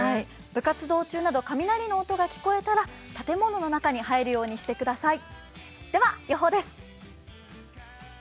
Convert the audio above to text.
部活動中など雷の音が聞こえたら建物の中に入るようにしてください。